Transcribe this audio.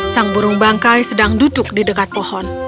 sang burung bangkai sedang duduk di dekat pohon